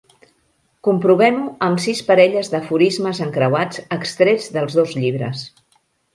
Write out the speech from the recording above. Comprovem-ho amb sis parelles d'aforismes encreuats extrets dels dos llibres.